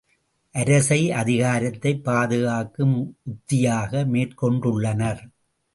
அரசை, அதிகாரத்தைப் பாதுகாக்கும் உத்தியாக மேற்கொண்டுள்ளனர்.